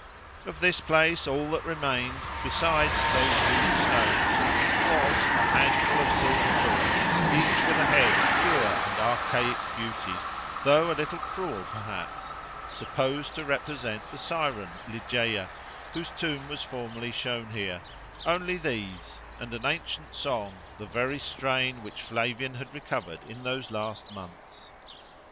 Of this place, all that remained, besides those rude stones, was—a handful of silver coins, each with a head of pure and archaic beauty, though a little cruel perhaps, supposed to represent the Siren Ligeia, whose tomb was formerly shown here—only these, and an ancient song, the very strain which Flavian had recovered in those last months.